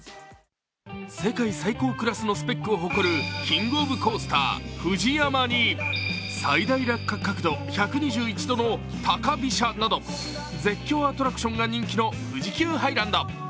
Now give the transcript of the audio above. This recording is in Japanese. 世界最高クラスのスペックを誇るキング・オブ・コースター、ＦＵＪＩＹＡＭＡに最大落下角度１２１度の高飛車など絶叫アトラクションが人気の富士急ハイランド。